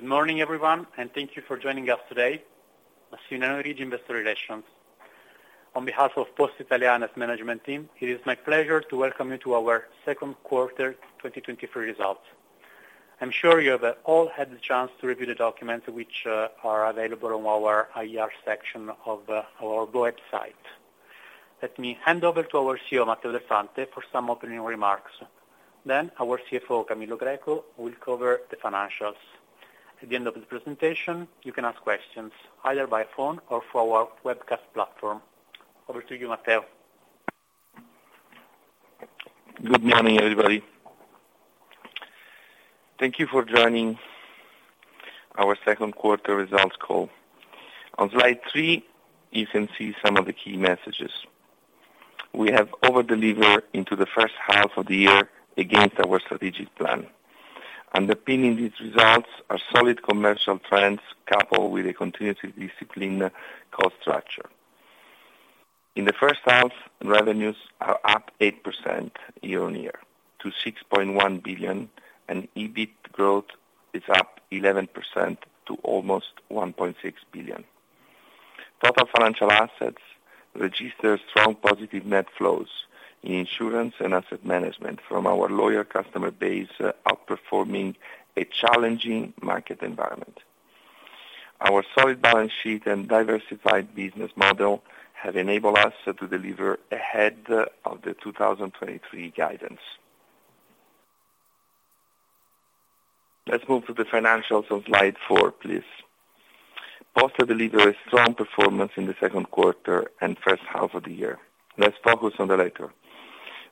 Good morning, everyone, and thank you for joining us today. Massimiliano Riggi, Investor Relations. On behalf of Poste Italiane's management team, it is my pleasure to welcome you to our 2Q 2023 results. I'm sure you have all had the chance to review the documents which are available on our IR section of our website. Let me hand over to our CEO, Matteo Del Fante, for some opening remarks. Our CFO, Camillo Greco, will cover the financials. At the end of the presentation, you can ask questions, either by phone or through our webcast platform. Over to you, Matteo. Good morning, everybody. Thank you for joining our Q2 results call. On slide three, you can see some of the key messages. We have over-delivered into the H1 of the year against our strategic plan. Underpinning these results are solid commercial trends, coupled with a continuously disciplined cost structure. In the H1, revenues are up 8% year-on-year to 6.1 billion, and EBIT growth is up 11% to almost 1.6 billion. Total Financial Assets register strong positive net flows in insurance and asset management from our loyal customer base, outperforming a challenging market environment. Our solid balance sheet and diversified business model have enabled us to deliver ahead of the 2023 guidance. Let's move to the financials on slide four, please. Poste delivered a strong performance in the Q2 and H1 of the year. Let's focus on the latter.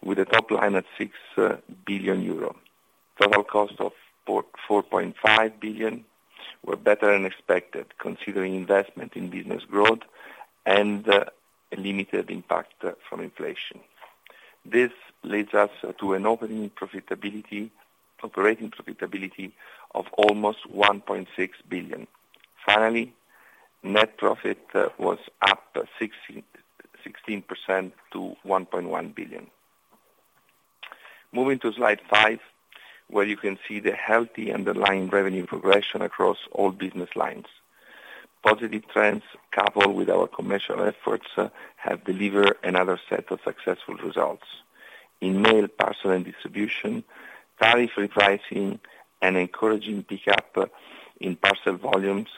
With the top line at 6 billion euro, total cost of 4.5 billion, were better than expected, considering investment in business growth and a limited impact from inflation. This leads us to an opening profitability, operating profitability of almost 1.6 billion. Finally, net profit was up 16% to 1.1 billion. Moving to slide five, where you can see the healthy underlying revenue progression across all business lines. Positive trends, coupled with our commercial efforts, have delivered another set of successful results. In Mail, Parcel and Distribution, tariff repricing and encouraging pickup in parcel volumes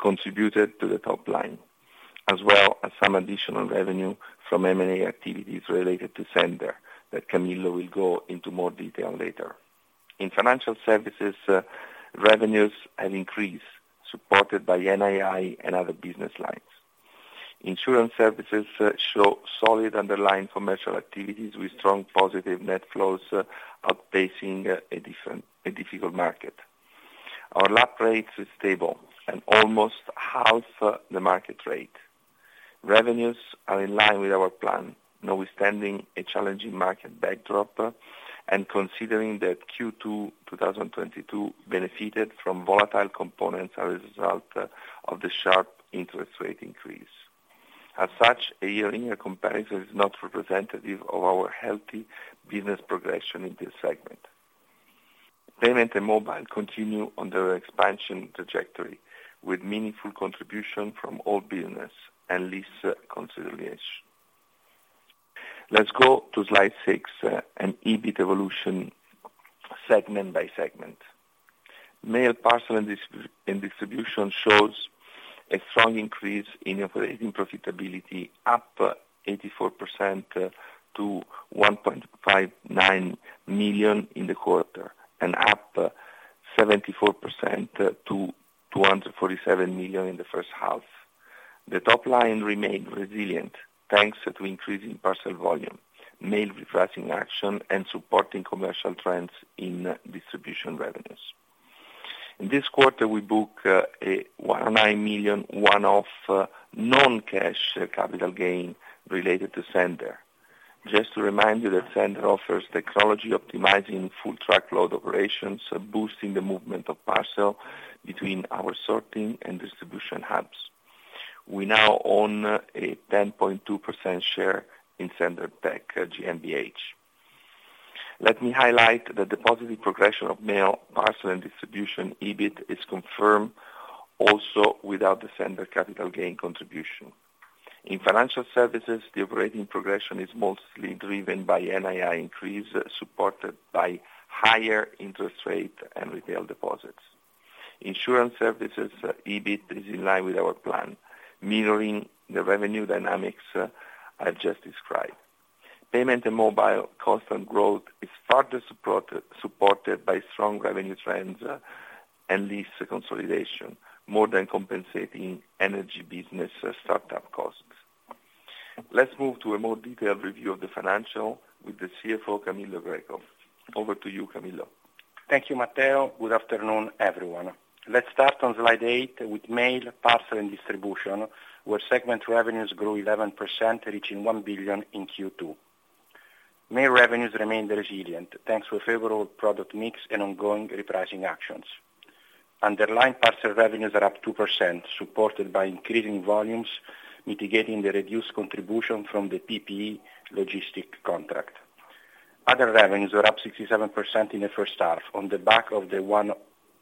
contributed to the top line, as well as some additional revenue from M&A activities related to sennder that Camillo will go into more detail later. In financial services, revenues have increased, supported by NII and other business lines. Insurance Services show solid underlying commercial activities with strong positive net flows, outpacing a difficult market. Our lap rate is stable and almost half the market rate. Revenues are in line with our plan, notwithstanding a challenging market backdrop, and considering that Q2 2022 benefited from volatile components as a result of the sharp interest rate increase. As such, a year-on-year comparison is not representative of our healthy business progression in this segment. Payment and mobile continue on their expansion trajectory, with meaningful contribution from all business and lease consolidation. Let's go to slide six and EBIT evolution segment by segment. Mail, Parcel and Distribution shows a strong increase in operating profitability, up 84% to 1.59 million in the quarter, and up 74% to 247 million in the H1. The top line remained resilient, thanks to increasing parcel volume, mail repricing action, and supporting commercial trends in distribution revenues. In this quarter, we book a 1.9 million, one-off, non-cash capital gain related to sennder. Just to remind you that sennder offers technology optimizing full truckload operations, boosting the movement of parcel between our sorting and distribution hubs. We now own a 10.2% share in sennder Technologies GmbH. Let me highlight that the positive progression of Mail, Parcel and Distribution EBIT is confirmed also without the sennder capital gain contribution. In financial services, the operating progression is mostly driven by NII increase, supported by higher interest rate and retail deposits. Insurance services EBIT is in line with our plan, mirroring the revenue dynamics I've just described. Payment and mobile constant growth is further supported by strong revenue trends, and lease consolidation, more than compensating energy business startup costs. Let's move to a more detailed review of the financial with the CFO, Camillo Greco. Over to you, Camillo. Thank you, Matteo. Good afternoon, everyone. Let's start on slide eight with Mail, Parcel & Distribution, where segment revenues grew 11%, reaching 1 billion in Q2. Mail revenues remained resilient, thanks to a favorable product mix and ongoing repricing actions. Underlying parcel revenues are up 2%, supported by increasing volumes, mitigating the reduced contribution from the PPE logistic contract. Other revenues were up 67% in the H1, on the back of the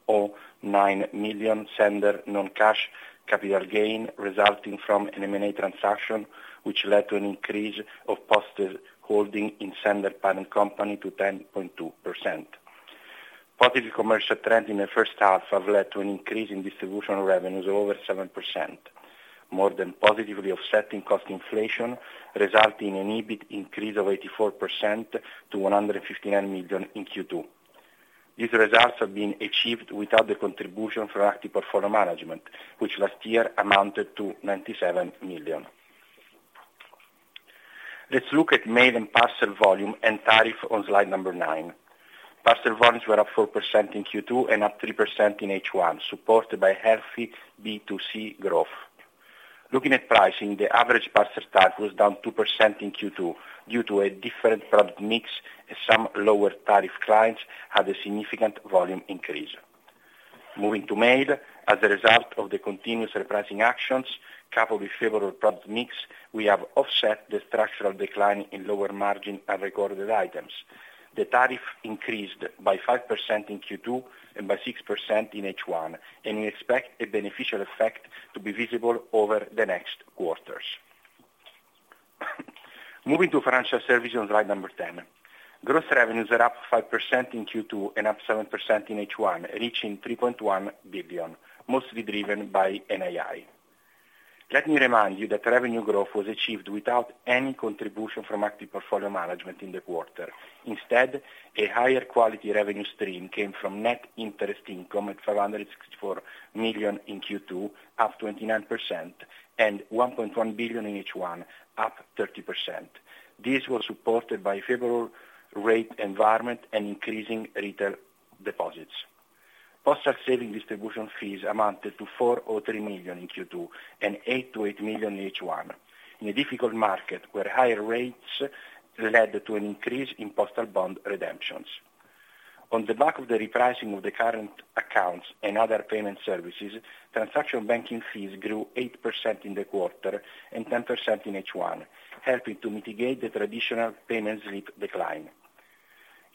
109 million sennder non-cash capital gain, resulting from an M&A transaction, which led to an increase of posted holding in sennder parent company to 10.2%. Positive commercial trend in the H1 have led to an increase in distribution revenues of over 7%, more than positively offsetting cost inflation, resulting in an EBIT increase of 84% to 159 million in Q2. These results have been achieved without the contribution from active portfolio management, which last year amounted to 97 million. Let's look at mail and parcel volume and tariff on slide number nine. Parcel volumes were up 4% in Q2 and up 3% in H1, supported by healthy B2C growth. Looking at pricing, the average parcel tariff was down 2% in Q2, due to a different product mix, as some lower tariff clients had a significant volume increase. Moving to mail, as a result of the continuous repricing actions, coupled with favorable product mix, we have offset the structural decline in lower margin and recorded items. The tariff increased by 5% in Q2 and by 6% in H1, and we expect a beneficial effect to be visible over the next quarters. Moving to financial services on slide number 10. Gross revenues are up 5% in Q2 and up 7% in H1, reaching 3.1 billion, mostly driven by NII. Let me remind you that revenue growth was achieved without any contribution from active portfolio management in the quarter. Instead, a higher quality revenue stream came from net interest income at 564 million in Q2, up 29%, and 1.1 billion in H1, up 30%. This was supported by favorable rate environment and increasing retail deposits. Postal saving distribution fees amounted to 403 million in Q2, and 808 million in H1, in a difficult market, where higher rates led to an increase in postal bond redemptions. On the back of the repricing of the current accounts and other payment services, transaction banking fees grew 8% in the quarter and 10% in H1, helping to mitigate the traditional payment slip decline.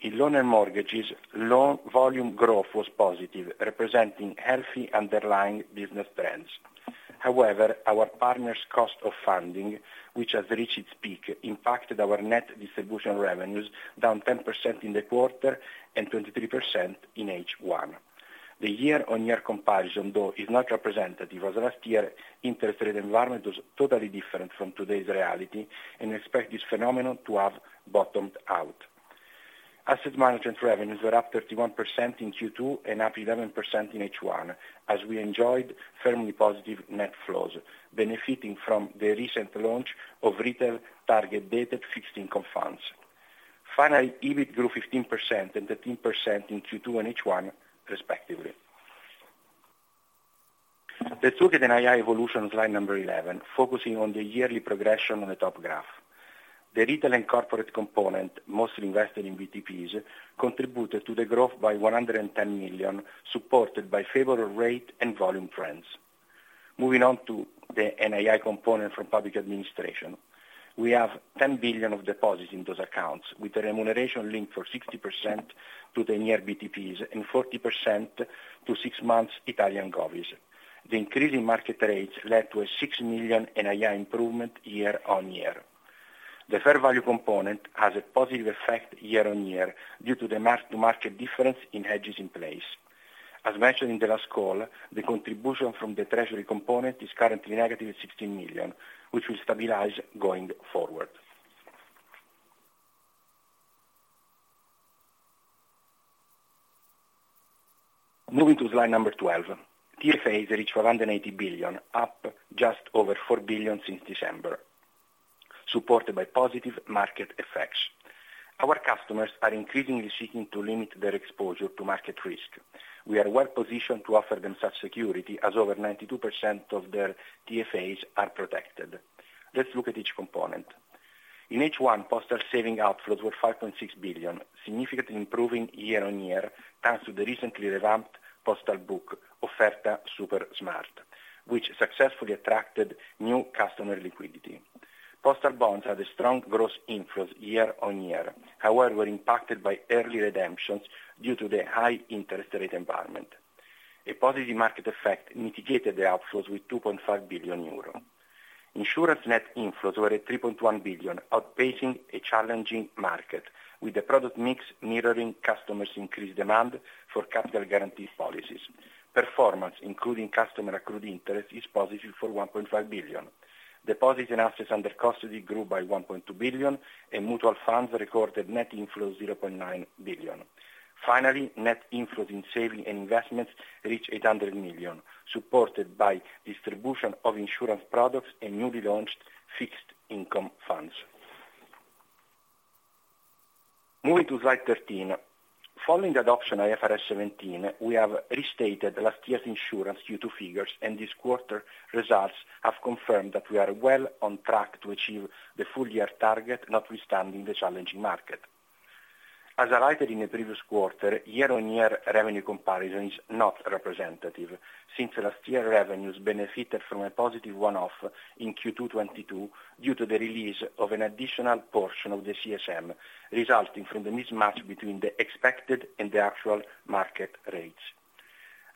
In loan and mortgages, loan volume growth was positive, representing healthy underlying business trends. Our partners' cost of funding, which has reached its peak, impacted our net distribution revenues, down 10% in the quarter and 23% in H1. The year-over-year comparison, though, is not representative, as last year, interest rate environment was totally different from today's reality, and expect this phenomenon to have bottomed out. Asset management revenues were up 31% in Q2 and up 11% in H1, as we enjoyed firmly positive net flows, benefiting from the recent launch of retail target-dated fixed income funds. EBIT grew 15% and 13% in Q2 and H1, respectively. Let's look at NII evolution on slide number 11, focusing on the yearly progression on the top graph. The retail and corporate component, mostly invested in BTPs, contributed to the growth by 110 million, supported by favorable rate and volume trends. Moving on to the NII component from public administration. We have 10 billion of deposits in those accounts, with a remuneration link for 60% to the near BTPs and 40% to six months Italian govies. The increase in market rates led to a 6 million NII improvement year-over-year. The fair value component has a positive effect year-over-year, due to the mark-to-market difference in hedges in place. As mentioned in the last call, the contribution from the treasury component is currently negative 16 million, which will stabilize going forward. Moving to slide number 12. TFAs reached 480 billion, up just over 4 billion since December, supported by positive market effects. Our customers are increasingly seeking to limit their exposure to market risk. We are well positioned to offer them such security, as over 92% of their TFAs are protected. Let's look at each component. In H1, postal saving outflows were 5.6 billion, significantly improving year-on-year, thanks to the recently revamped postal book, Offerta Supersmart, which successfully attracted new customer liquidity. Postal bonds had a strong gross inflows year-on-year, however, were impacted by early redemptions due to the high interest rate environment. A positive market effect mitigated the outflows with 2.5 billion euro. Insurance net inflows were at 3.1 billion, outpacing a challenging market, with the product mix mirroring customers' increased demand for capital guarantee policies. Performance, including customer accrued interest, is positive for 1.5 billion. Deposits and assets under custody grew by 1.2 billion, and mutual funds recorded net inflows 0.9 billion. Finally, net inflows in saving and investments reached 800 million, supported by distribution of insurance products and newly launched fixed income funds. Moving to slide 13. Following the adoption IFRS 17, we have restated last year's insurance Q2 figures, and this quarter results have confirmed that we are well on track to achieve the full year target, notwithstanding the challenging market. As highlighted in the previous quarter, year-on-year revenue comparison is not representative, since last year's revenues benefited from a positive one-off in Q2 2022, due to the release of an additional portion of the CSM, resulting from the mismatch between the expected and the actual market rates.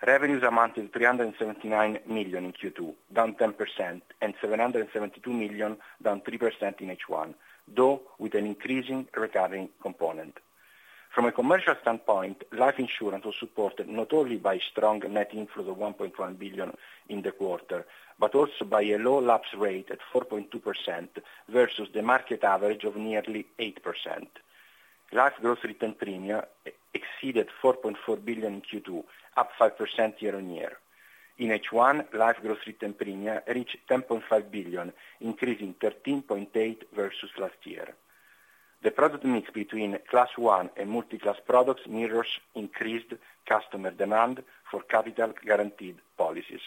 Revenues amounted 379 million in Q2, down 10%, and 772 million, down 3% in H1, though with an increasing recurring component. From a commercial standpoint, life insurance was supported not only by strong net inflow of 1.1 billion in the quarter, but also by a low lapse rate at 4.2% versus the market average of nearly 8%. Life gross written premium exceeded 4.4 billion in Q2, up 5% year-on-year. In H1, life gross written premium reached 10.5 billion, increasing 13.8% versus last year. The product mix between Class I and multi-class products mirrors increased customer demand for capital guaranteed policies.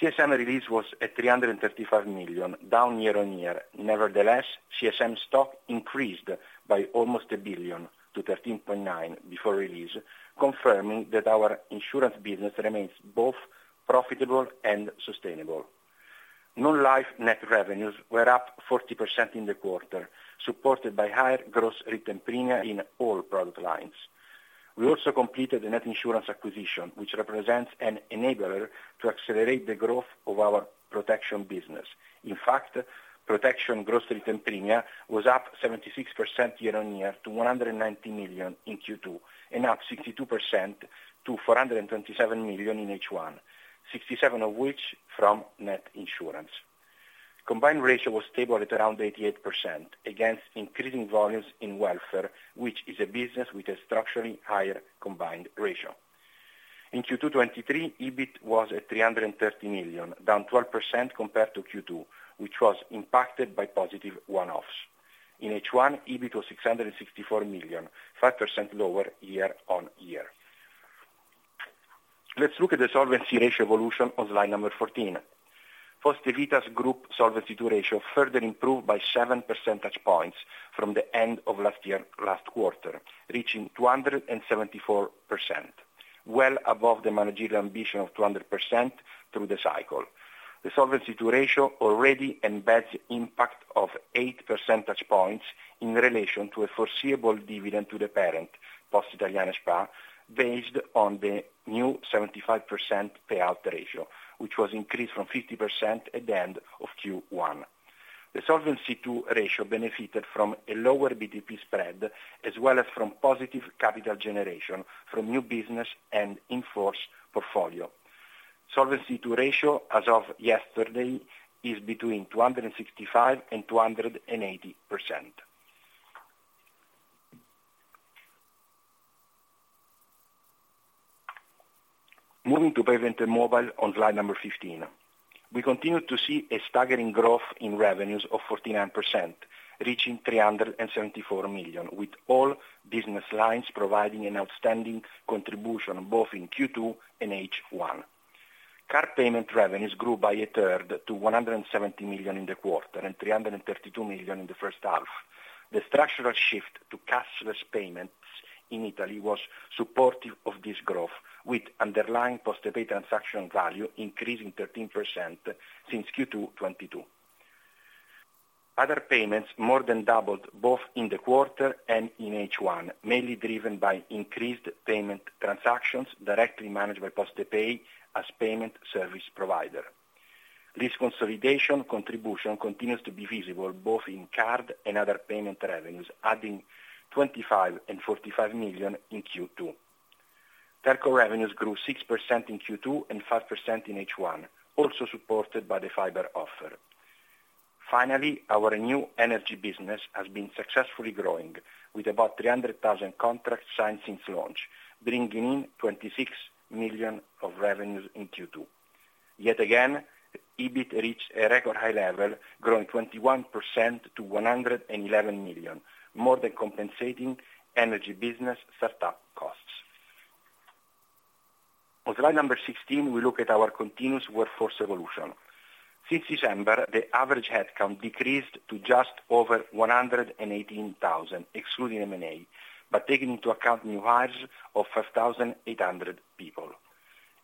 CSM release was at 335 million, down year-on-year. Nevertheless, CSM stock increased by almost 1 billion, to 13.9 billion before release, confirming that our insurance business remains both profitable and sustainable. Non-life net revenues were up 40% in the quarter, supported by higher gross written premium in all product lines. We also completed the Net Insurance acquisition, which represents an enabler to accelerate the growth of our protection business. In fact, protection gross written premium was up 76% year-on-year to 190 million in Q2, and up 62% to 427 million in H1, 67 million of which from Net Insurance. Combined ratio was stable at around 88% against increasing volumes in welfare, which is a business with a structurally higher combined ratio. In Q2 2023, EBIT was at 330 million, down 12% compared to Q2, which was impacted by positive one-offs. In H1, EBIT was 664 million, 5% lower year-on-year. Let's look at the Solvency II ratio evolution on slide number 14. Poste Vita's group Solvency II ratio further improved by seven percentage points from the end of last year, last quarter, reaching 274%, well above the managerial ambition of 200% through the cycle. The Solvency II ratio already embeds impact of 8 percentage points in relation to a foreseeable dividend to the parent, Poste Italiane S.p.A., based on the new 75% payout ratio, which was increased from 50% at the end of Q1. The Solvency II ratio benefited from a lower BTP spread, as well as from positive capital generation from new business and in-force portfolio. Solvency II ratio, as of yesterday, is between 265% and 280%. Moving to Payment and Mobile on slide number 15. We continue to see a staggering growth in revenues of 49%, reaching 374 million, with all business lines providing an outstanding contribution, both in Q2 and H1. Card payment revenues grew by a third to 170 million in the quarter, and 332 million in the H1. The structural shift to cashless payments in Italy was supportive of this growth, with underlying Postepay transaction value increasing 13% since Q2 2022. Other payments more than doubled, both in the quarter and in H1, mainly driven by increased payment transactions directly managed by Postepay as payment service provider. This consolidation contribution continues to be visible both in card and other payment revenues, adding 25 million and 45 million in Q2. Telco revenues grew 6% in Q2 and 5% in H1, also supported by the fiber offer. Finally, our new energy business has been successfully growing with about 300,000 contracts signed since launch, bringing in 26 million of revenues in Q2. Yet again, EBIT reached a record high level, growing 21% to 111 million, more than compensating energy business startup costs. On slide number 16, we look at our continuous workforce evolution. Since December, the average headcount decreased to just over 118,000, excluding M&A, but taking into account new hires of 5,800 people.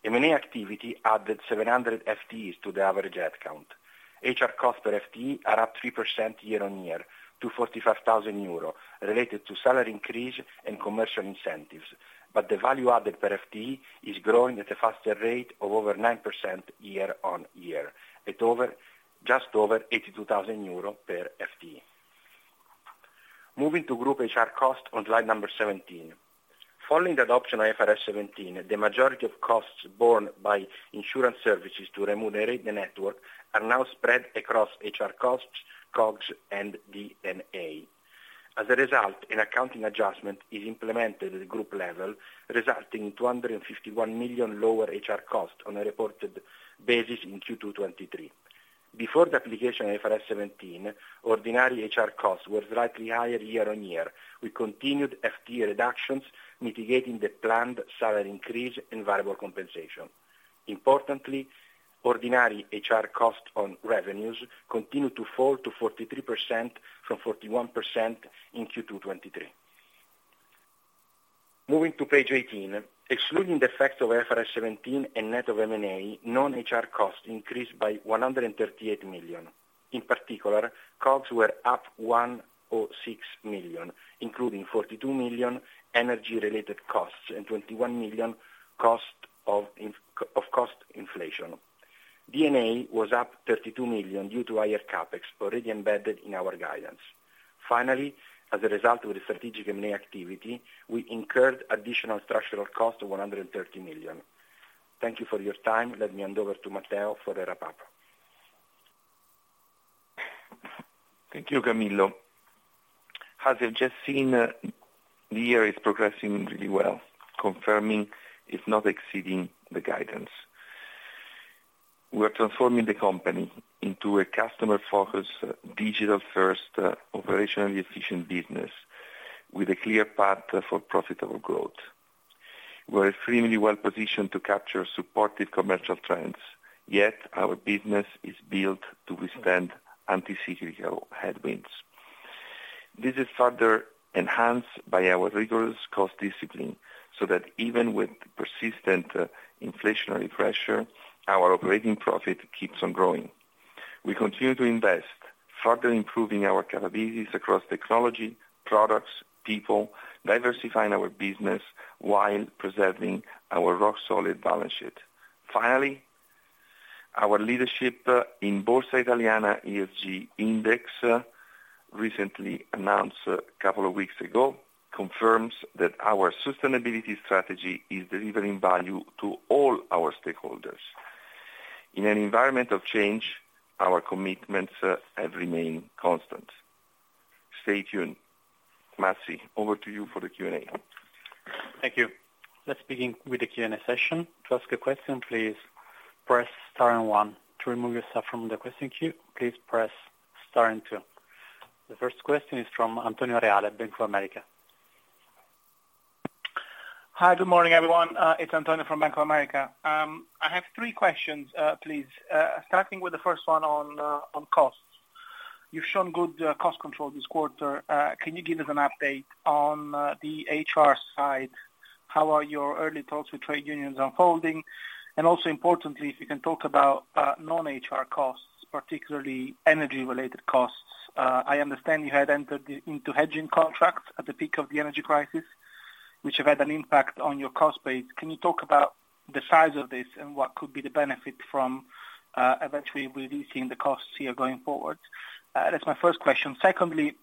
M&A activity added 700 FTEs to the average headcount. HR costs per FTE are up 3% year-on-year to 45,000 euro, related to salary increase and commercial incentives, but the value added per FTE is growing at a faster rate of over 9% year-on-year, just over 82,000 euro per FTE. Moving to group HR cost on slide number 17. Following the adoption of IFRS 17, the majority of costs borne by insurance services to remunerate the network are now spread across HR costs, COGS, and D&A. As a result, an accounting adjustment is implemented at group level, resulting in 251 million lower HR costs on a reported basis in Q2 2023. Before the application of IFRS 17, ordinary HR costs were slightly higher year-on-year, with continued FTE reductions, mitigating the planned salary increase and variable compensation. Importantly, ordinary HR cost on revenues continued to fall to 43% from 41% in Q2 2023. Moving to page 18, excluding the effect of IFRS 17 and net of M&A, non-HR costs increased by 138 million. In particular, costs were up 106 million, including 42 million energy related costs and 21 million cost inflation. D&A was up 32 million due to higher CapEx, already embedded in our guidance. Finally, as a result of the strategic M&A activity, we incurred additional structural cost of 130 million. Thank you for your time. Let me hand over to Matteo for the wrap up. Thank you, Camillo. As you've just seen, the year is progressing really well, confirming, if not exceeding, the guidance. We are transforming the company into a customer-focused, digital-first, operationally efficient business with a clear path for profitable growth. We're extremely well positioned to capture supported commercial trends, yet our business is built to withstand anticipatory headwinds. This is further enhanced by our rigorous cost discipline, so that even with persistent inflationary pressure, our operating profit keeps on growing. We continue to invest, further improving our capabilities across technology, products, people, diversifying our business while preserving our rock-solid balance sheet. Finally, our leadership in Borsa Italiana ESG Index, recently announced a couple of weeks ago, confirms that our sustainability strategy is delivering value to all our stakeholders. In an environment of change, our commitments have remained constant. Stay tuned. Massi, over to you for the Q&A. Thank you. Let's begin with the Q&A session. To ask a question, please press star and one. To remove yourself from the question queue, please press star and two. The first question is from Antonio Reale at Bank of America. Hi, good morning, everyone. It's Antonio from Bank of America. I have three questions, please, starting with the first one on on costs. You've shown good cost control this quarter. Can you give us an update on the HR side? How are your early talks with trade unions unfolding? Also, importantly, if you can talk about non-HR costs, particularly energy related costs. I understand you had entered into hedging contracts at the peak of the energy crisis, which have had an impact on your cost base. Can you talk about the size of this and what could be the benefit from eventually releasing the costs here going forward? That's my first question. Secondly,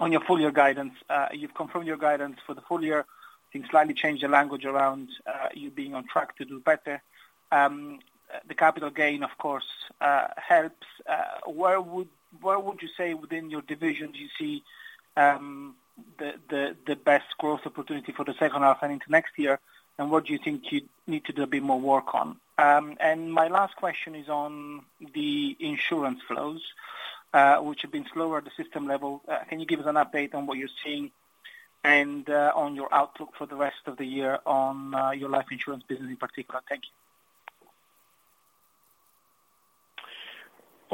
on your full year guidance, you've confirmed your guidance for the full year. You've slightly changed the language around, you being on track to do better. The capital gain, of course, helps. Where would you say within your division do you see the best growth opportunity for the H2 and into next year? What do you think you need to do a bit more work on? My last question is on the insurance flows, which have been slower at the system level. Can you give us an update on what you're seeing and on your outlook for the rest of the year on your life insurance business in particular? Thank you.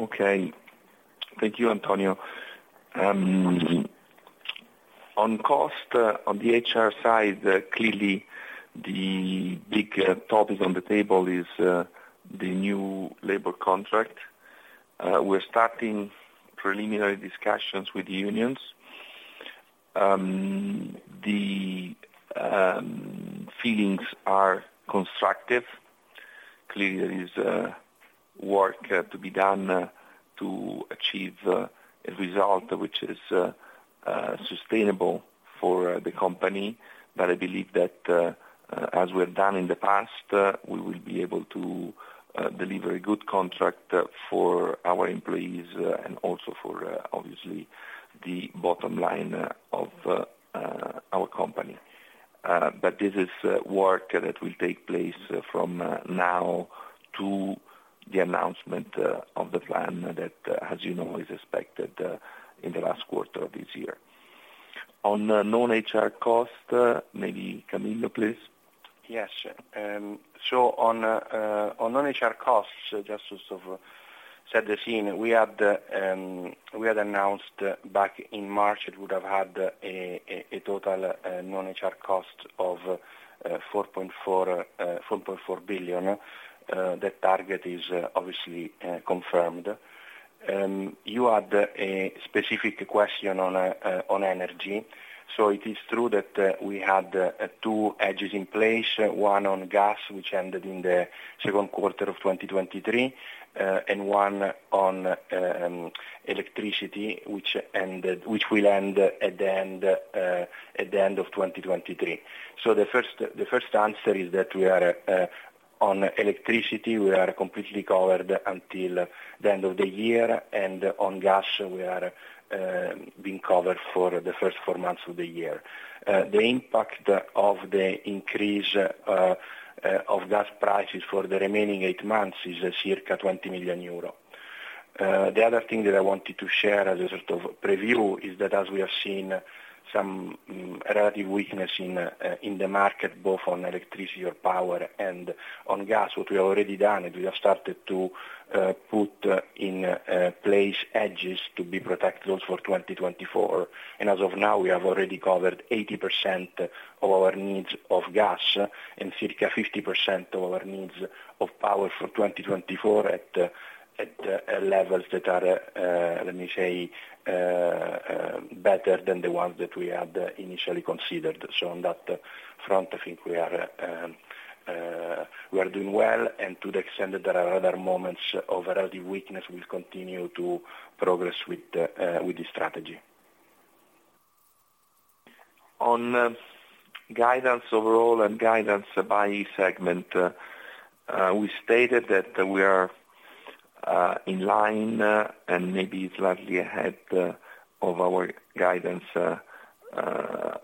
Okay. Thank you, Antonio. On cost, on the HR side, clearly the big topic on the table is the new labor contract. We're starting preliminary discussions with unions. The feelings are constructive. Clearly, there is work to be done to achieve a result which is sustainable for the company, but I believe that as we have done in the past, we will be able to deliver a good contract for our employees and also for obviously, the bottom line of our company. But this is work that will take place from now to the announcement of the plan that, as you know, is expected in the last quarter of this year. On non-HR cost, maybe Camillo, please? Yes. On non-HR costs, just to sort of set the scene, we had announced back in March, it would have had a total non-HR cost of 4.4 billion. That target is obviously confirmed. You had a specific question on energy. It is true that we had two hedges in place, one on gas, which ended in Q2 2023, and one on electricity, which will end at the end of 2023. The first answer is that on electricity, we are completely covered until the end of the year, and on gas, we are being covered for the first four months of the year. The impact of the increase of gas prices for the remaining eight months is circa 20 million euro. The other thing that I wanted to share as a sort of preview, is that as we have seen some relative weakness in the market, both on electricity or power, and on gas, what we have already done, and we have started to put in place hedges to be protected for 2024. As of now, we have already covered 80% of our needs of gas, and circa 50% of our needs of power for 2024 at levels that are let me say better than the ones that we had initially considered. On that front, I think we are doing well, and to the extent that there are other moments of relative weakness, we'll continue to progress with the strategy. On guidance overall, and guidance by segment, we stated that we are in line, and maybe slightly ahead of our guidance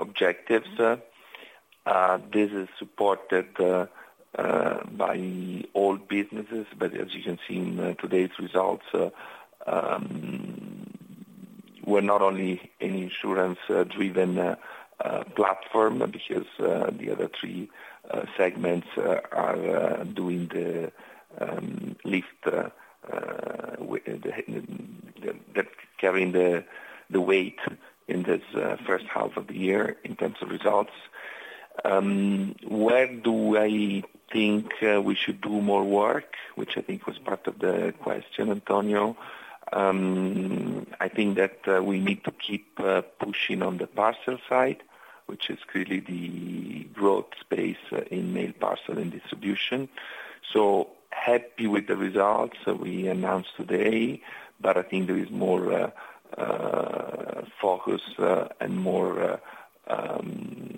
objectives. This is supported by all businesses, as you can see in today's results, we're not only an insurance driven platform, because the other three segments are doing the lift that carrying the weight in this H1 of the year in terms of results. Where do I think we should do more work? Which I think was part of the question, Antonio Reale. I think that we need to keep pushing on the parcel side, which is clearly the growth space in Mail, Parcel and Distribution. Happy with the results that we announced today, but I think there is more focus and more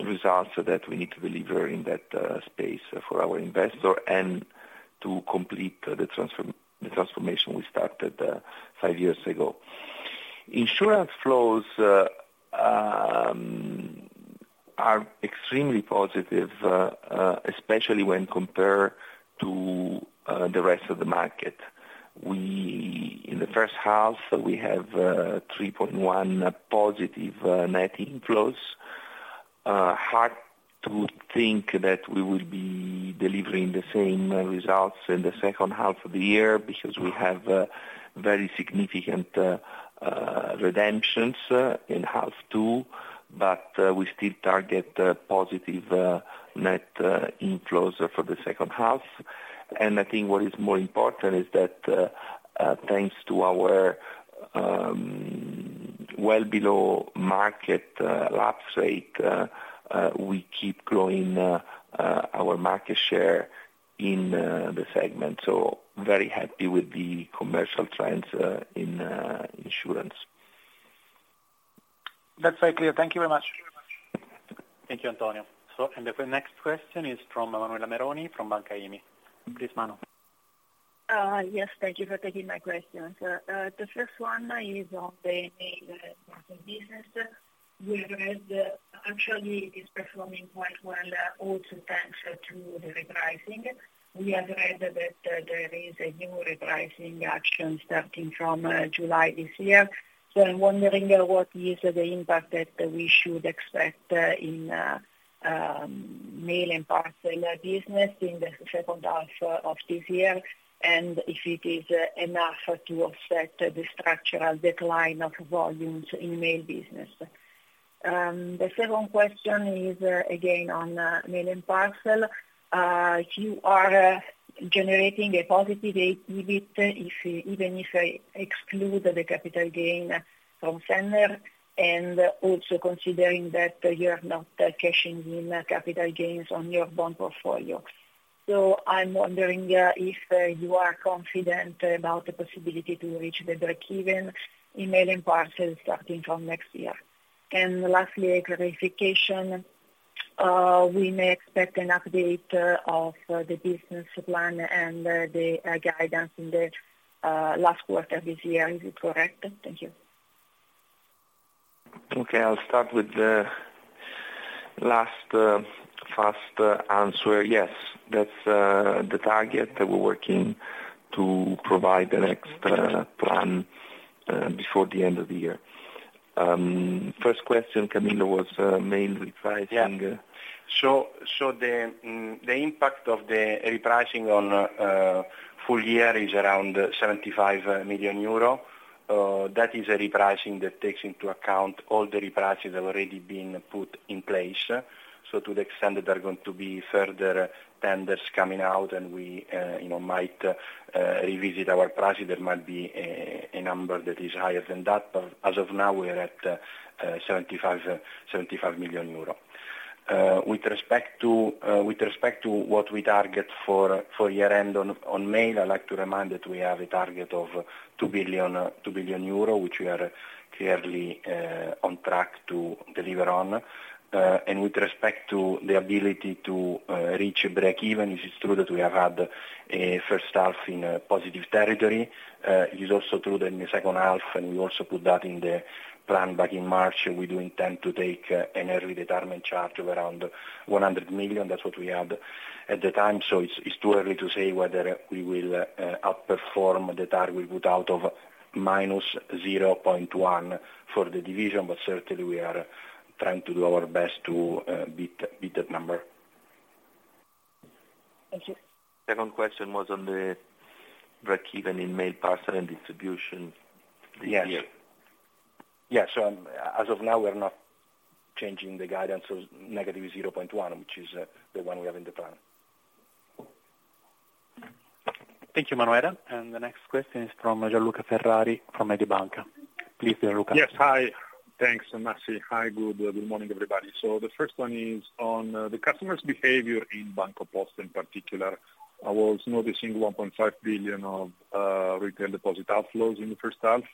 results that we need to deliver in that space for our investor, and to complete the transformation we started five years ago. Insurance flows are extremely positive, especially when compared to the rest of the market. We, in the H1, we have 3.1 positive net inflows. Hard to think that we will be delivering the same results in the H2 of the year, because we have very significant redemptions in half two, but we still target positive net inflows for the H2. I think what is more important is that thanks to our well below market lapse rate we keep growing our market share in the segment. Very happy with the commercial trends in insurance. That's very clear. Thank you very much. Thank you, Antonio. The next question is from Manuela Meroni, from Banca IMI. Please, Mano. Yes, thank you for taking my question. The first one is on the Mail, Parcel & Distribution business. We read actually is performing quite well, also thanks to the repricing. We have read that there is a new repricing action starting from July this year. I'm wondering what is the impact that we should expect in Mail, Parcel & Distribution business in the H2 of this year, and if it is enough to offset the structural decline of volumes in Mail business? The second question is, again, on Mail, Parcel & Distribution. You are generating a positive EBIT, if, even if I exclude the capital gain from sennder, and also considering that you are not cashing in capital gains on your bond portfolio. I'm wondering if you are confident about the possibility to reach the breakeven in Mail and Parcel starting from next year? Lastly, a clarification, we may expect an update of the business plan and the guidance in the last quarter this year. Is it correct? Thank you. Okay, I'll start with the last, first, answer. Yes, that's, the target that we're working to provide the next, plan, before the end of the year. First question, Camillo, was, mainly pricing? Yeah. The impact of the repricing on full year is around 75 million euro. That is a repricing that takes into account all the reprices already being put in place. To the extent that there are going to be further tenders coming out and we, you know, might revisit our pricing, there might be a number that is higher than that, but as of now, we are at 75 million euro. With respect to what we target for year end on mail, I'd like to remind that we have a target of 2 billion euro, which we are clearly on track to deliver on. With respect to the ability to reach breakeven, it is true that we have had a H1 in a positive territory. It is also true that in the H2, and we also put that in the plan back in March, we do intend to take an early retirement charge of around 100 million. That's what we had at the time, so it's too early to say whether we will outperform the target we put out of -0.1 for the division, but certainly we are.... trying to do our best to beat that number. Thank you. Second question was on the breakeven in Mail, Parcel and Distribution this year. Yes. Yeah, as of now, we're not changing the guidance of -0.1%, which is the one we have in the plan. Thank you, Manuela. The next question is from Gianluca Ferrari from Mediobanca. Please, Gianluca. Yes. Hi. Thanks, Massi. Hi, good morning, everybody. The first one is on the customer's behavior in BancoPosta in particular, I was noticing 1.5 billion of retail deposit outflows in the H1,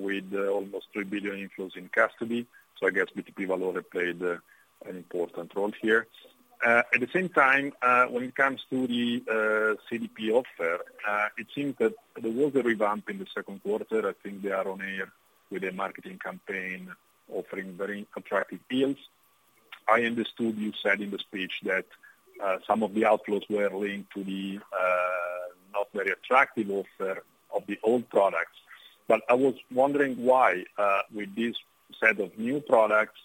with almost 3 billion inflows in custody. I guess BTP Valore played an important role here. At the same time, when it comes to the CDP offer, it seems that there was a revamp in the Q2. I think they are on air with a marketing campaign offering very attractive deals. I understood you said in the speech that some of the outflows were linked to the not very attractive offer of the old products. I was wondering why, with this set of new products,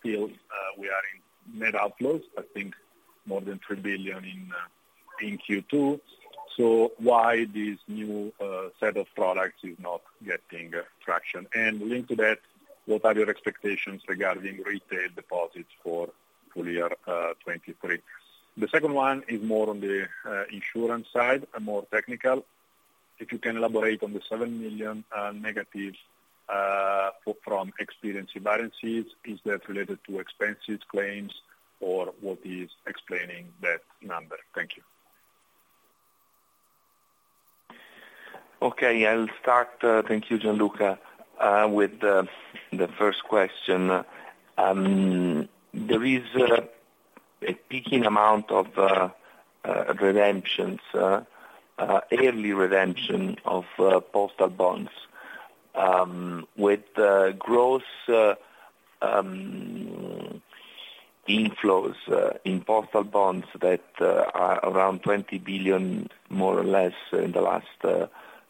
still, we are in net outflows, I think more than 3 billion in Q2, so why this new set of products is not getting traction? Linked to that, what are your expectations regarding retail deposits for full year 2023? The second one is more on the insurance side, and more technical. If you can elaborate on the 7 million negative from experience imbalances, is that related to expenses, claims, or what is explaining that number? Thank you. Okay, I'll start, thank you, Gianluca, with the first question. There is a peaking amount of redemptions, early redemption of postal bonds, with gross inflows in postal bonds that are around 20 billion, more or less, in the last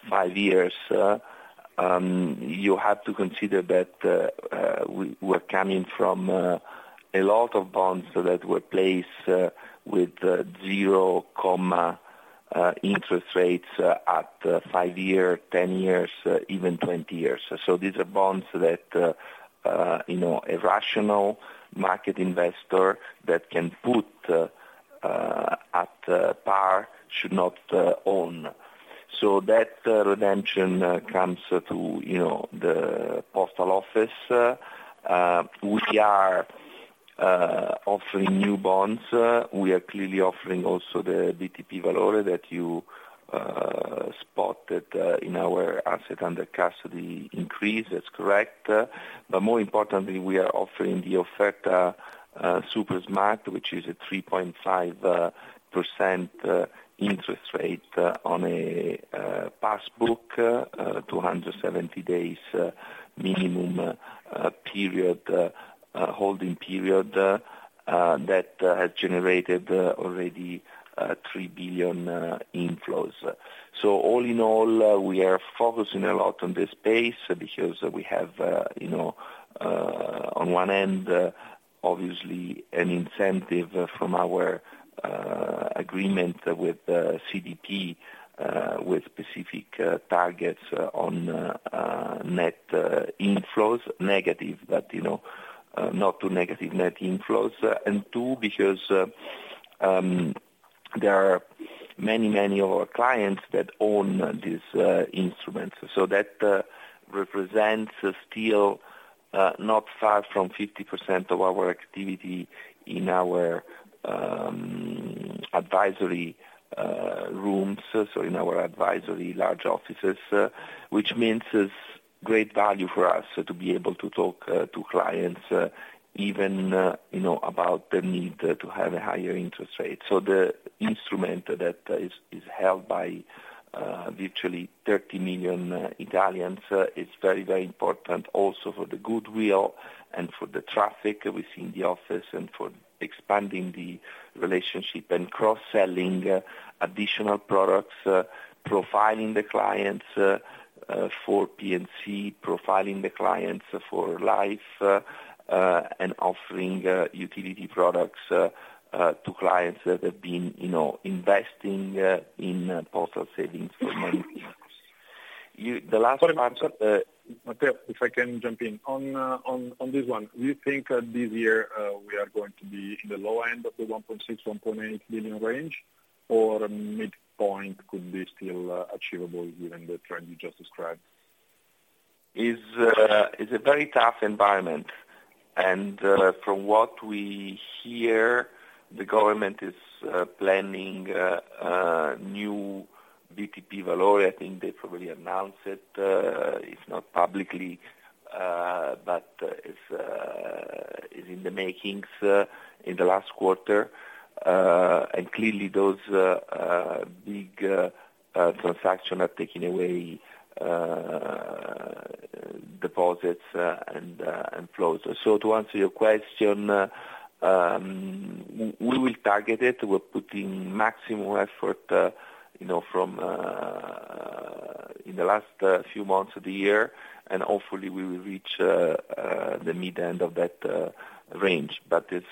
five years. You have to consider that we're coming from a lot of bonds that were placed with zero comma interest rates at five year, 10 years, even 20 years. These are bonds that, you know, a rational market investor that can put at par should not own. That redemption comes to, you know, the postal office. We are offering new bonds. We are clearly offering also the BTP Valore that you spotted in our asset under custody increase. That's correct. More importantly, we are offering the Offerta Supersmart, which is a 3.5% interest rate on a passbook, 270 days minimum period holding period, that has generated already 3 billion inflows. All in all, we are focusing a lot on this space because we have, you know, on one end, obviously an incentive from our agreement with CDP, with specific targets on net inflows, negative, but, you know, not too negative net inflows. Two, because there are many of our clients that own these instruments. That represents still not far from 50% of our activity in our advisory rooms, so in our advisory large offices, which means is great value for us to be able to talk to clients, even, you know, about the need to have a higher interest rate. The instrument that is held by virtually 30 million Italians is very, very important also for the goodwill and for the traffic within the office and for expanding the relationship and cross-selling additional products, profiling the clients for P&C, profiling the clients for life, and offering utility products to clients that have been, you know, investing in postal savings for many years. You, the last part- If I can jump in. On this one, do you think that this year, we are going to be in the low end of the 1.6 billion-1.8 billion range, or midpoint could be still achievable given the trend you just described? Is a very tough environment. From what we hear, the government is planning a new BTP Valore. I think they probably announced it, if not publicly, but is in the makings in the last quarter. Clearly those big transaction are taking away deposits and flows. To answer your question, we will target it. We're putting maximum effort, you know, from... in the last few months of the year, and hopefully we will reach the mid-end of that range. It's,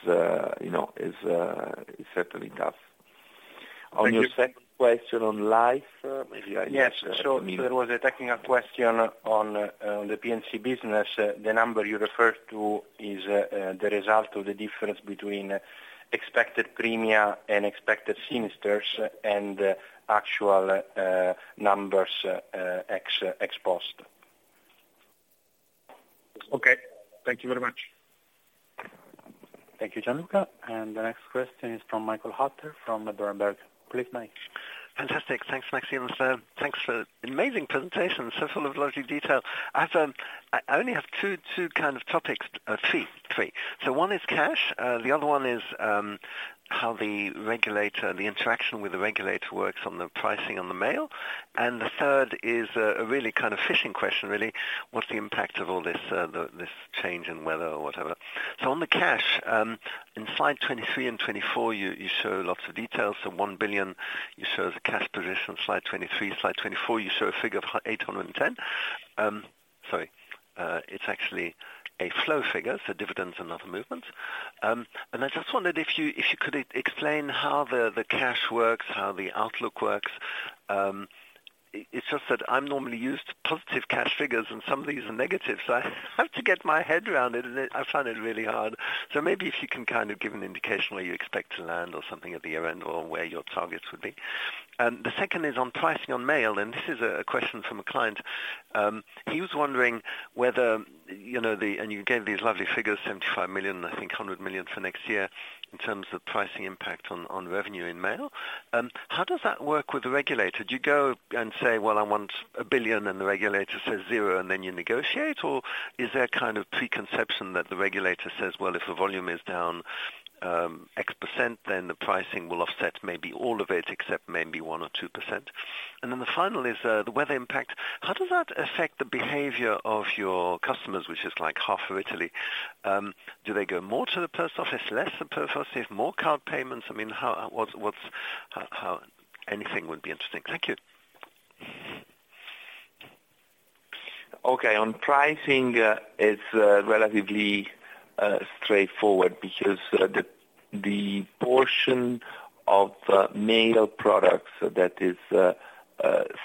you know, it's certainly tough. Thank you. On your second question on life, maybe I... There was a technical question on the P&C business. The number you referred to is the result of the difference between expected premia and expected sinisters and actual numbers ex post. Okay. Thank you very much. Thank you, Gianluca. The next question is from Michael Hutter from the Bloomberg. Please, Mike. Fantastic. Thanks, Maxim. Thanks for the amazing presentation. Full of logic detail. I have, I only have two kind of topics, three. One is cash, the other one is how the regulator, the interaction with the regulator works on the pricing on the mail, and the third is a really kind of fishing question, really. What's the impact of all this, the, this change in weather or whatever? On the cash, in slide 23 and 24, you show lots of details. The 1 billion, you show the cash position, slide 23, slide 24, you show a figure of 810. Sorry, it's actually a flow figure, so dividends and other movements. And I just wondered if you, if you could explain how the cash works, how the outlook works. It's just that I'm normally used to positive cash figures, and some of these are negative, so I have to get my head around it, and I find it really hard. Maybe if you can kind of give an indication where you expect to land or something at the year-end or where your targets would be. The second is on pricing on mail, and this is a question from a client. He was wondering whether, you know, the and you gave these lovely figures, 75 million, I think 100 million for next year, in terms of pricing impact on revenue in mail. How does that work with the regulator? Do you go and say, well, I want 1 billion, and the regulator says 0, and then you negotiate? Is there a kind of preconception that the regulator says, well, if the volume is down, X%, then the pricing will offset maybe all of it, except maybe 1% or 2%. Then the final is, the weather impact. How does that affect the behavior of your customers, which is like half of Italy? Do they go more to the post office, less to the post office, more card payments? I mean, how, what's, how... Anything would be interesting. Thank you. Okay. On pricing, it's relatively straightforward because the portion of mail products that is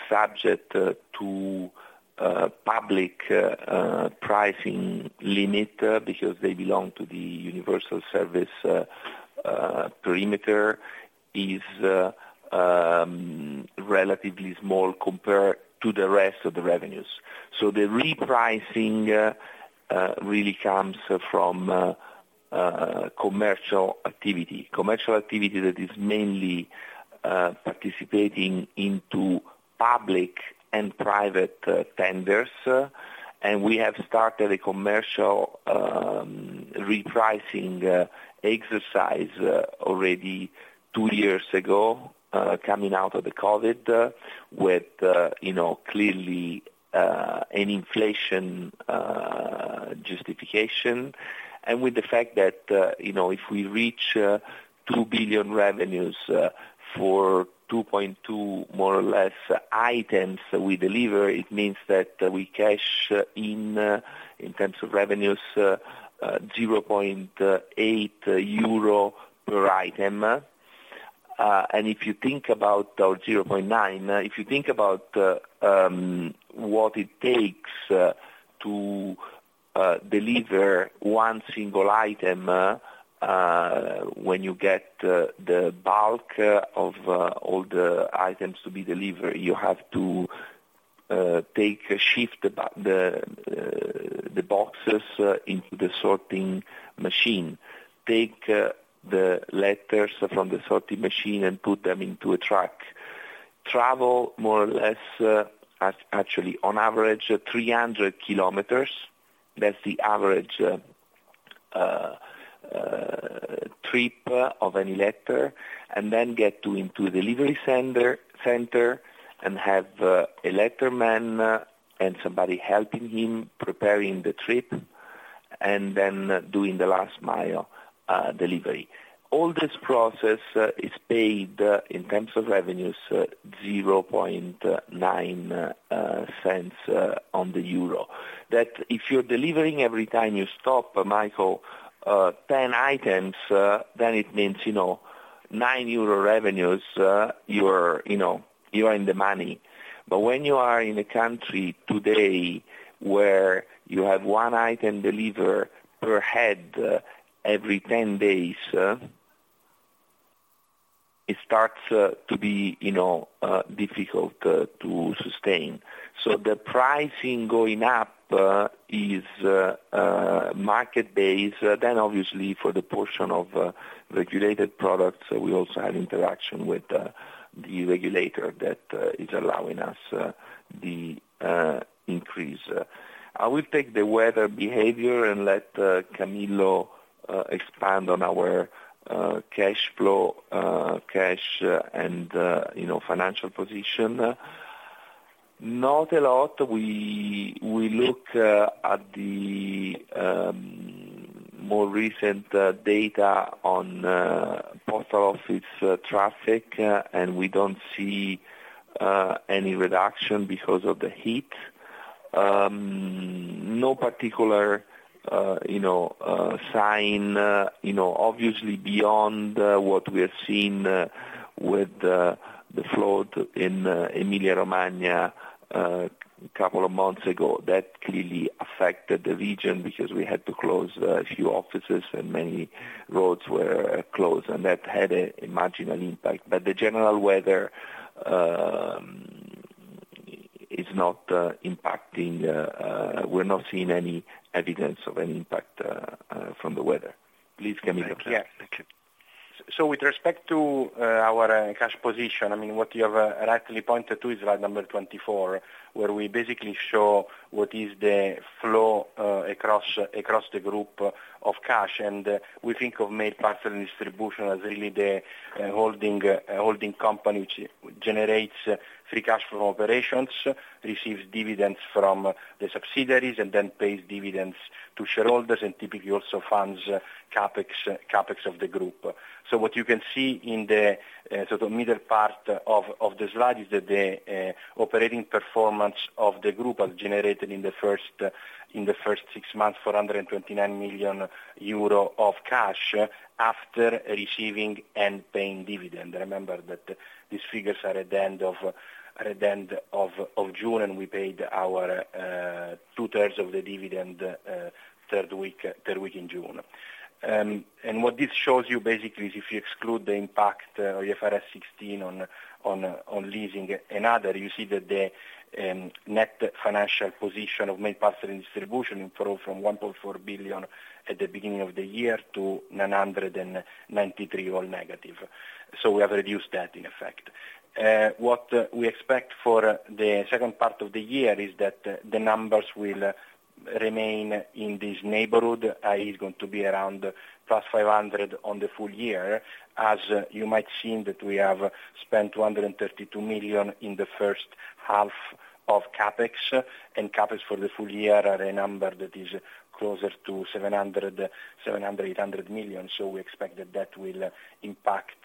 subject to public pricing limit, because they belong to the universal service perimeter, is relatively small compared to the rest of the revenues. So the repricing really comes from commercial activity. Commercial activity that is mainly participating into public and private tenders. And we have started a commercial repricing exercise already two years ago, coming out of the COVID, with, you know, clearly an inflation justification. With the fact that, you know, if we reach 2 billion revenues for 2.2, more or less, items we deliver, it means that we cash in in terms of revenues 0.8 euro per item. If you think about our 0.9, if you think about what it takes to deliver one single item, when you get the bulk of all the items to be delivered, you have to take a shift the boxes into the sorting machine. Take the letters from the sorting machine and put them into a truck. Travel more or less, as actually, on average, 300 kilometers. That's the average trip of any letter, and then get to into a delivery sender, center, and have a letterman and somebody helping him, preparing the trip, and then doing the last mile delivery. All this process is paid in terms of revenues, 0.9. That if you're delivering every time you stop, Michael, 10 items, then it means, you know, 9 euro revenues, you're, you know, you are in the money. When you are in a country today where you have one item deliver per head every 10 days, it starts to be, you know, difficult to sustain. The pricing going up is market-based, obviously for the portion of regulated products, we also have interaction with the regulator that is allowing us the increase. I will take the weather behavior and let Camillo expand on our cash flow, cash, and, you know, financial position. Not a lot. We look at the more recent data on postal office traffic, and we don't see any reduction because of the heat. No particular, you know, sign, you know, obviously beyond what we have seen with the flood in Emilia-Romagna a couple of months ago. That clearly affected the region, because we had to close a few offices and many roads were closed, and that had a marginal impact. The general weather, is not impacting, we're not seeing any evidence of any impact, from the weather. Please, Camillo. Yeah. Thank you. With respect to our cash position, I mean, what you have rightly pointed to is slide number 24, where we basically show what is the flow across the group of cash. We think of Mail, Parcel & Distribution as really the holding company, which generates free cash from operations, receives dividends from the subsidiaries, and then pays dividends to shareholders, and typically also funds CapEx of the group. What you can see in the sort of middle part of the slide, is that the operating performance of the group has generated in the first six months, 429 million euro of cash, after receiving and paying dividend. Remember that these figures are at the end of June, we paid our two-thirds of the dividend third week in June. What this shows you basically, is if you exclude the impact of IFRS 16 on leasing and other, you see that the net financial position of Mail, Parcel & Distribution improved from 1.4 billion at the beginning of the year to 993, all negative. We have reduced that in effect. What we expect for the second part of the year is that the numbers will remain in this neighborhood, is going to be around +500 on the full year. As you might have seen, that we have spent 232 million in the H1 of CapEx. CapEx for the full year are a number that is closer to 700 million-800 million. We expect that that will impact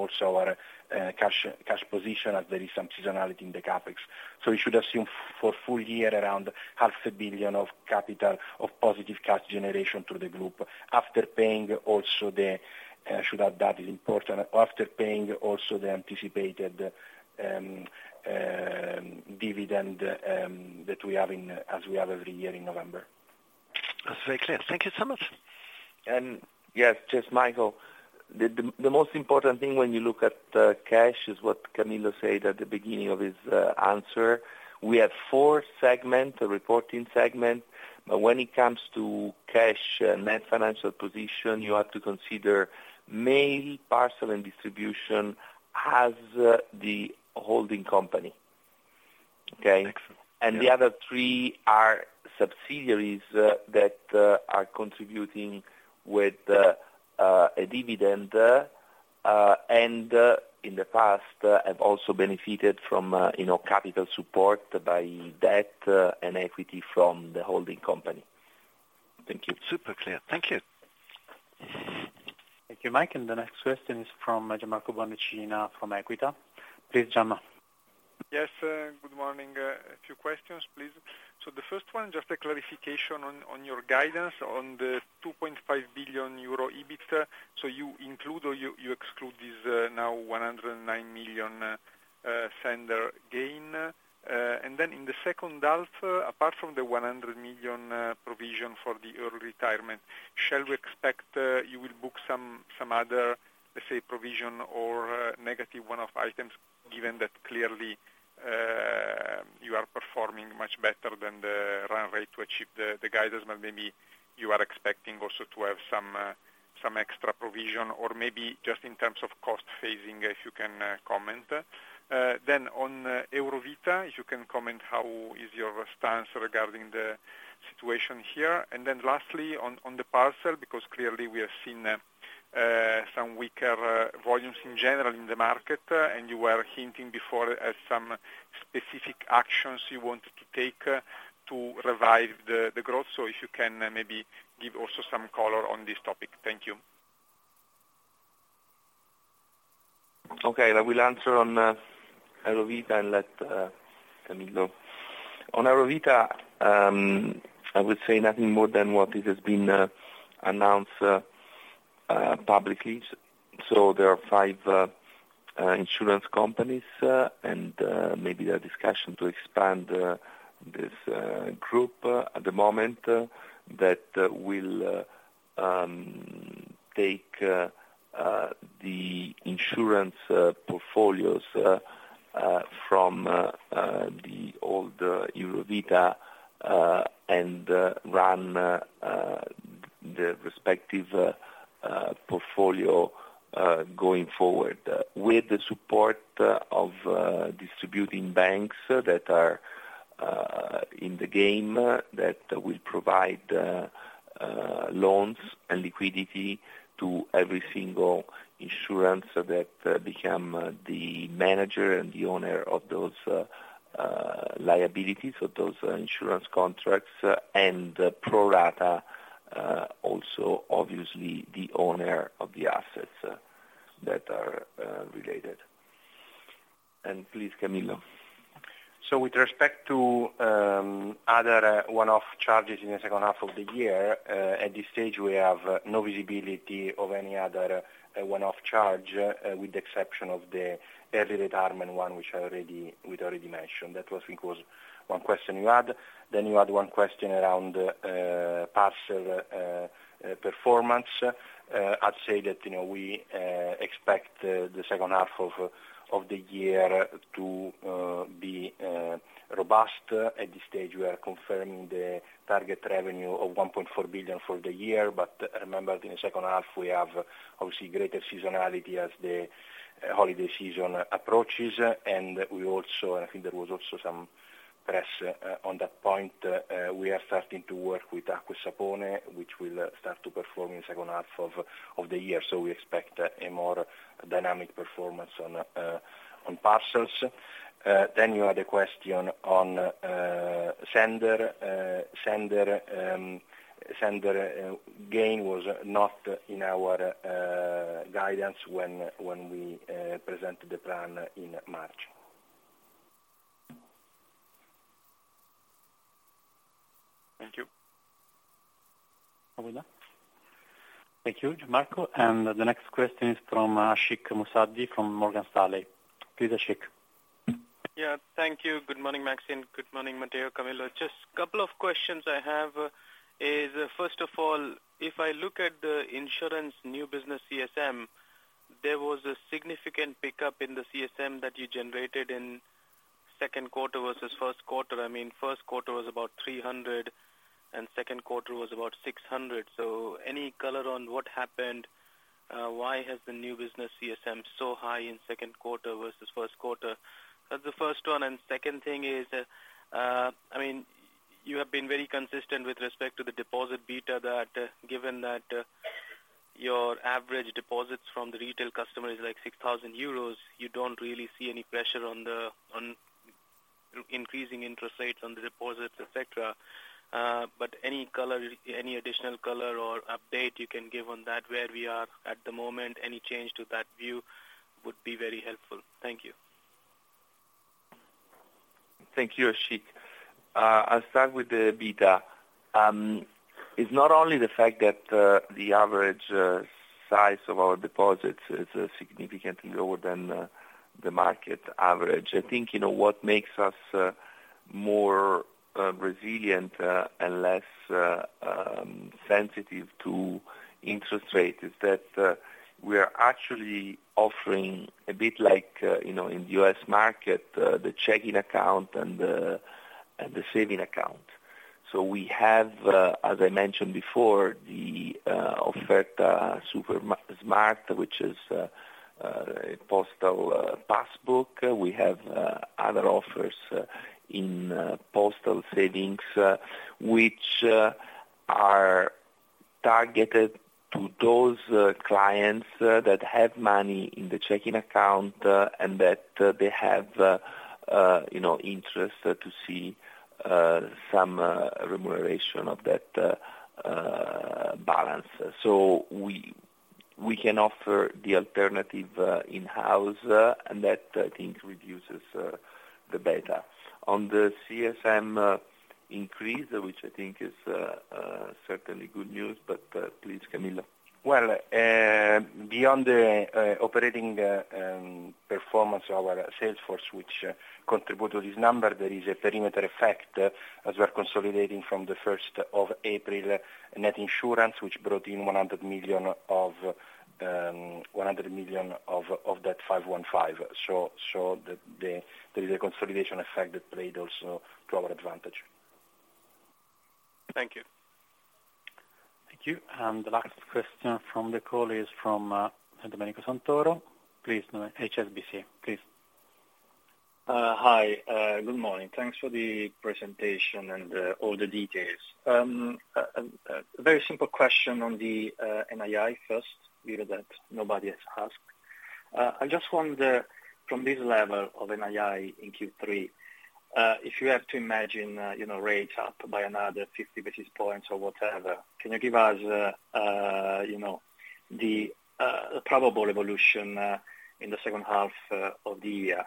also our cash position, as there is some seasonality in the CapEx. You should assume for full year, around half a billion EUR of capital of positive cash generation through the group, after paying also the should add that is important, after paying also the anticipated dividend that we have in, as we have every year in November. That's very clear. Thank you so much. Yes, just Michael, the, the most important thing when you look at cash, is what Camillo said at the beginning of his answer. We have four segment, reporting segment, when it comes to cash and net financial position, you have to consider Mail, Parcel & Distribution as the holding company. Okay? Excellent. The other three are subsidiaries that are contributing with a dividend and in the past have also benefited from, you know, capital support by debt and equity from the holding company. Thank you. Super clear. Thank you. Thank you, Mike. The next question is from Gianmarco Rancina, from Equita. Please, Gianmarco. Yes, good morning. A few questions, please. The first one, just a clarification on your guidance on the 2.5 billion euro EBIT. You include or you exclude this now 109 million sennder gain? In the H2, apart from the 100 million provision for the early retirement, shall we expect you will book some other, let's say, provision or negative one-off items, given that clearly you are performing much better than the run rate to achieve the guidance, but maybe you are expecting also to have some extra provision, or maybe just in terms of cost phasing, if you can comment? On Eurovita, if you can comment, how is your stance regarding the situation here? Lastly, on the parcel, because clearly we have seen some weaker volumes in general in the market, and you were hinting before at some specific actions you wanted to take to revive the growth. If you can, maybe give also some color on this topic. Thank you. Okay, I will answer on Eurovita and let Camillo. On Eurovita, I would say nothing more than what it has been announced publicly. There are five insurance companies, and maybe a discussion to expand this group at the moment, that will take the insurance portfolios from the old Eurovita, and run the respective portfolio going forward. With the support of distributing banks that are in the game, that will provide loans and liquidity to every single insurance that become the manager and the owner of those liabilities, so those insurance contracts and pro rata, also obviously the owner of the assets that are related. Please, Camillo. With respect to other one-off charges in the H2 of the year, at this stage, we have no visibility of any other one-off charge, with the exception of the early retirement one, which we'd already mentioned. That was, I think, was one question you had. You had one question around parcel performance. I'd say that, you know, we expect the H2 of the year to be robust. At this stage, we are confirming the target revenue of 1.4 billion for the year, but remember, in the H2, we have, obviously, greater seasonality as the holiday season approaches. We also, I think there was also some press on that point. We are starting to work with Acqua & Sapone, which will start to perform in H2 of the year. We expect a more dynamic performance on parcels. You had a question on sennder. Sennder gain was not in our guidance when we presented the plan in March. Thank you. Thank you, Marco. The next question is from Ashik Musaddi from Morgan Stanley. Please, Ashik. Yeah, thank you. Good morning, Maxine. Good morning, Matteo, Camillo. Just couple of questions I have is, first of all, if I look at the insurance new business CSM, there was a significant pickup in the CSM that you generated in Q2 versus Q1. I mean, Q1 was about 300, and Q2 was about 600. Any color on what happened, why has the new business CSM so high in Q2 versus Q1? That's the first one, and second thing is, I mean, you have been very consistent with respect to the deposit beta, that given that, your average deposits from the retail customer is like 6,000 euros, you don't really see any pressure on the, on increasing interest rates on the deposits, et cetera. Any color, any additional color or update you can give on that, where we are at the moment, any change to that view would be very helpful. Thank you. Thank you, Ashik. I'll start with the beta. It's not only the fact that the average size of our deposits is significantly lower than the market average. I think, you know, what makes us more resilient and less sensitive to interest rate is that we are actually offering a bit like, you know, in the US market, the checking account and the saving account. We have, as I mentioned before, the Offerta Supersmart, which is a postal pass book. We have other offers in postal savings, which are targeted to those clients that have money in the checking account, and that they have, you know, interest to see some remuneration of that balance. We can offer the alternative in-house, and that, I think, reduces the beta. On the CSM increase, which I think is certainly good news, but please, Camillo. Well, beyond the operating performance of our sales force, which contribute to this number, there is a perimeter effect as we are consolidating from the 1st of April, Net Insurance, which brought in 100 million of that 515. There is a consolidation effect that played also to our advantage. Thank you. Thank you. The last question from the call is from Domenico Santoro. Please, HSBC, please. Hi, good morning. Thanks for the presentation and all the details. A very simple question on the NII first, given that nobody has asked. I just wonder, from this level of NII in Q3, if you have to imagine, you know, rates up by another 50 basis points or whatever, can you give us, you know, the probable evolution in the H2 of the year?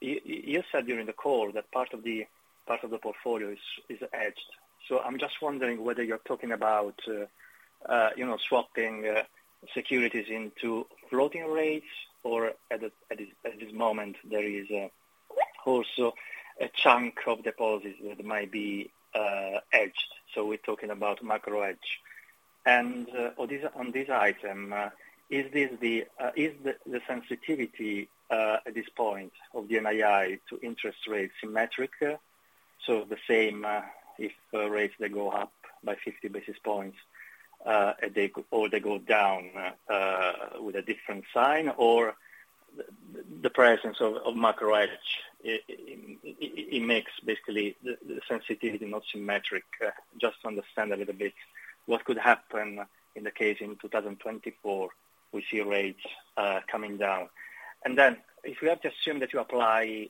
You said during the call that part of the portfolio is edged. I'm just wondering whether you're talking about, you know, swapping securities into floating rates, or at this moment, there is also a chunk of deposits that might be edged. We're talking about micro edge. On this, on this item, is this the, is the sensitivity, at this point of the NII to interest rates symmetric? The same, if rates, they go up by 50 basis points, or they go down, with a different sign, or the presence of micro edge, it makes basically the sensitivity not symmetric. Just to understand a little bit. What could happen in the case in 2024, we see rates, coming down. If we have to assume that you apply,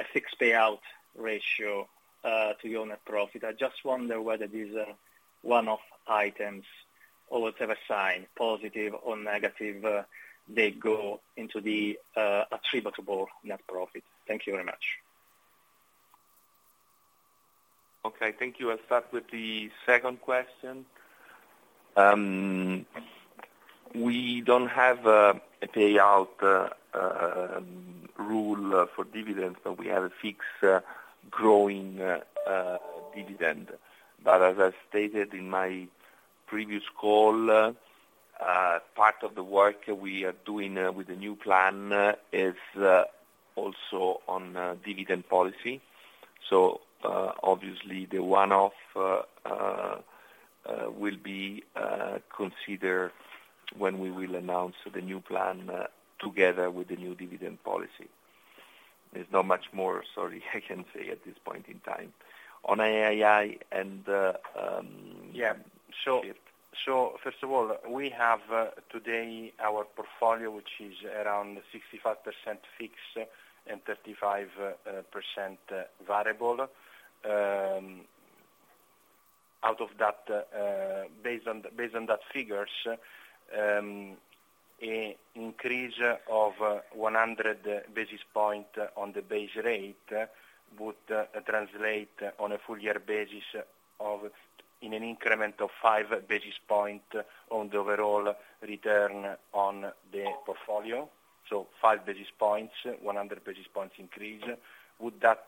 a fixed payout ratio, to your net profit, I just wonder whether these are one-off items or whatever sign, positive or negative, they go into the, attributable net profit. Thank you very much. Okay, thank you. I'll start with the second question. We don't have a payout rule for dividends, but we have a fixed growing dividend. As I stated in my previous call, part of the work we are doing with the new plan is also on dividend policy. Obviously, the one-off will be considered when we will announce the new plan together with the new dividend policy. There's not much more, sorry, I can say at this point in time. On III, first of all, we have today our portfolio, which is around 65% fixed and 35% variable. Out of that, based on that figures, a increase of 100 basis point on the base rate would translate on a full year basis of, in an increment of 5 basis point on the overall return on the portfolio. 5 basis points, 100 basis points increase. Would that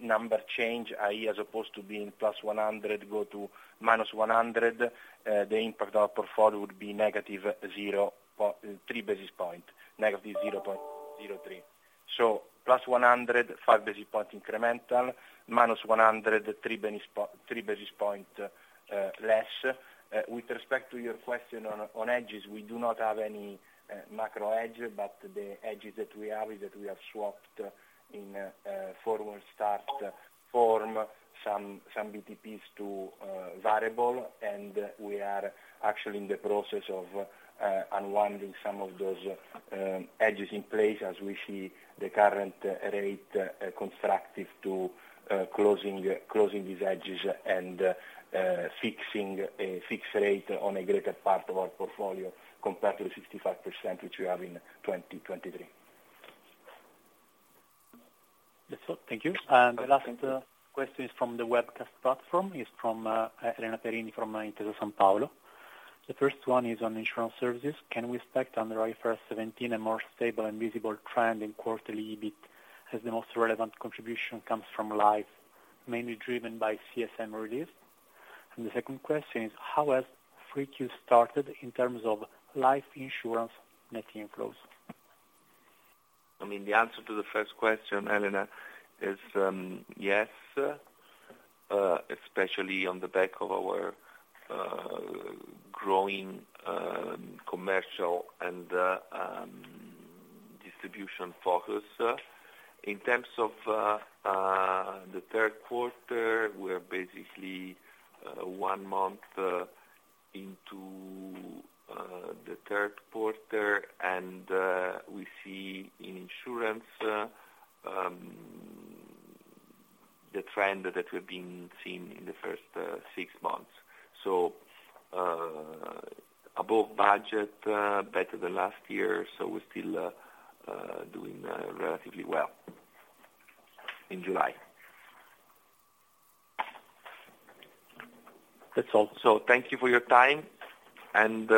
number change, i.e., as opposed to being +100, go to -100, the impact on our portfolio would be 3 basis point, negative 0.03. +100, 5 basis point incremental, -100, 3 basis point less. With respect to your question on edges, we do not have any macro edge, but the edges that we have is that we have swapped in a forward start form, some BTPs to variable, and we are actually in the process of unwinding some of those edges in place as we see the current rate constructive to closing these edges and fixing a fixed rate on a greater part of our portfolio, compared to the 65%, which we have in 2023. That's all. Thank you. The last question is from the webcast platform. It's from Elena Perini from Intesa Sanpaolo. The first one is on insurance services. Can we expect on the IFRS 17, a more stable and visible trend in quarterly EBIT, as the most relevant contribution comes from life, mainly driven by CSM release? The second question is, how has free Q started in terms of life insurance net inflows? I mean, the answer to the first question, Elena, is yes, especially on the back of our growing commercial and distribution focus. In terms of the Q3, we are basically one month into the Q3. We see in insurance the trend that we've been seeing in the first six months. Above budget, better than last year, we're still doing relatively well in July. That's all. Thank you for your time, and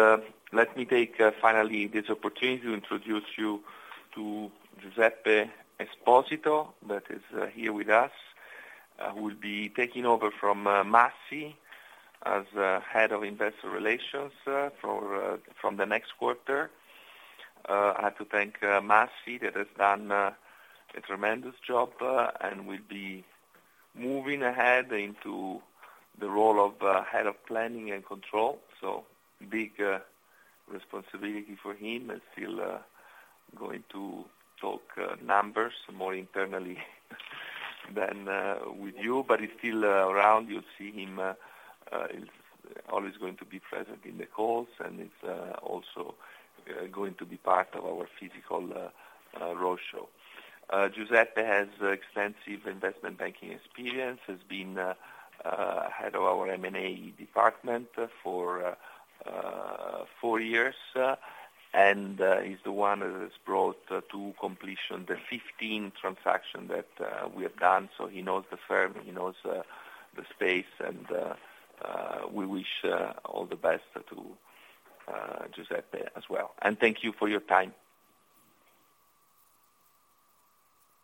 let me take finally, this opportunity to introduce you to Giuseppe Esposito, that is here with us, who will be taking over from Massi as Head of Investor Relations for from the next quarter. I have to thank Massi, that has done a tremendous job, and will be moving ahead into the role of Head of Planning and Control. Big responsibility for him and still going to talk numbers more internally, than with you, but he's still around. You'll see him, he's always going to be present in the calls, and he's also going to be part of our physical roadshow. Giuseppe has extensive investment banking experience, has been head of our M&A department for four years, and he's the one that has brought to completion the 15 transaction that we have done. He knows the firm, he knows the space, and we wish all the best to Giuseppe as well. Thank you for your time.